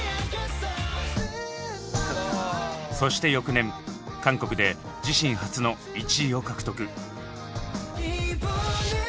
そして翌年韓国で自身初の１位を獲得。